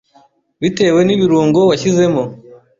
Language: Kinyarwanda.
bitewe n’ibirungo washyizemo